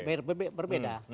nah ini berbeda